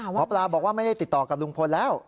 หมอปลาบอกว่าไม่ได้ติดต่อกับลุงพลแล้ว